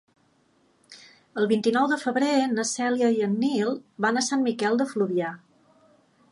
El vint-i-nou de febrer na Cèlia i en Nil van a Sant Miquel de Fluvià.